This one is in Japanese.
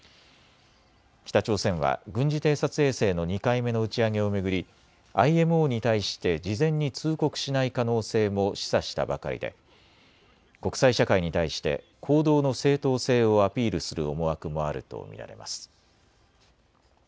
北朝鮮は軍事偵察衛星の２回目の打ち上げを巡りＩＭＯに対して事前に通告しない可能性も示唆したばかりで国際社会に対して行動の正当性をアピールする思惑もあると見られます。